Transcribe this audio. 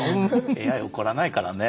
ＡＩ怒らないからね。